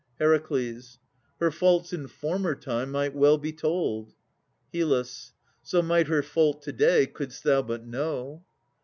HER. Her faults in former time might well be told. HYL. So might her fault to day, couldst thou but know.